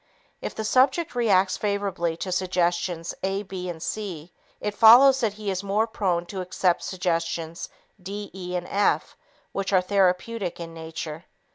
If the subject reacts favorably to suggestions A, B, and C, it follows that he is more prone to accept suggestions D, E, and F which are therapeutic in nature.